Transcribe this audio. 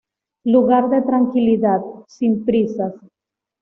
Lugar de tranquilidad, sin prisas.